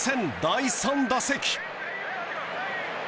第３打席。